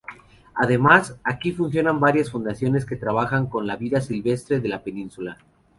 Además, aquí funcionan varias fundaciones que trabajan con la vida silvestre de la península.